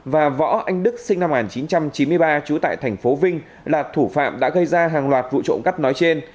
và võ anh đức sinh năm một nghìn chín trăm chín mươi ba trú tại thành phố vinh là thủ phạm đã gây ra hàng loạt vụ trộm cắp nói trên